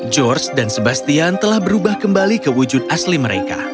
george dan sebastian telah berubah kembali ke wujud asli mereka